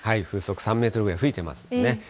風速３メートルぐらい吹いてますね。